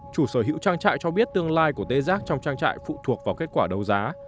chủ sở hữu trang trại cho biết tương lai của tê giác trong trang trại phụ thuộc vào kết quả đấu giá